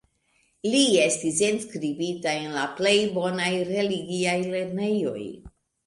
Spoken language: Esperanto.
Li estis enskribita en la plej bonaj religiaj lernejoj.